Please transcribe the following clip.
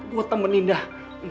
gue temen indah